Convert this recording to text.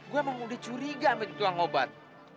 gue emang udah curiga sama tukang obat